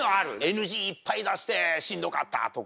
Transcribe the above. ＮＧいっぱい出してしんどかったとか。